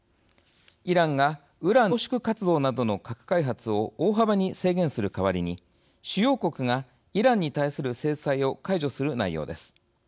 イランが、ウラン濃縮活動などの核開発を大幅に制限する代わりに主要国が、イランに対する制裁を解除する内容です。